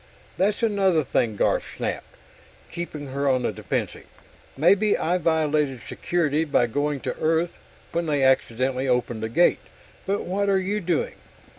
"That's another thing!" Garf snapped, keeping her on the defensive. "Maybe I violated Security by going to Earth when they accidentally opened the gate, but what are you doing?